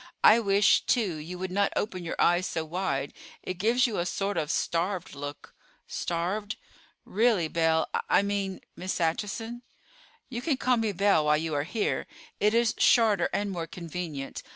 I wish, too, you would not open your eyes so wide. It gives you a sort of starved look." "Starved? Really, Belle—I mean Miss Acheson." "You can call me Belle while you are here; it is shorter and more convenient.